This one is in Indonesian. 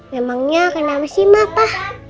memangnya kenapa sih ma pa